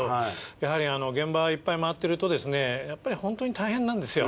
やはり現場いっぱいまわってるとやっぱりホントに大変なんですよ。